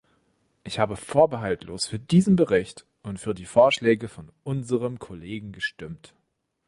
Ich habe vorbehaltlos für diesen Bericht und für die Vorschläge von unserem Kollegen gestimmt.